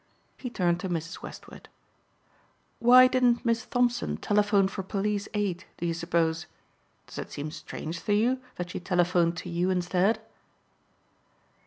He turned to Mrs. Westward, "Why didn't Miss Thompson telephone for police aid do you suppose? Does it seem strange to you that she telephoned to you instead?"